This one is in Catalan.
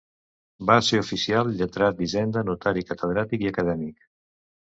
Va ser oficial lletrat d'Hisenda, notari, catedràtic i acadèmic.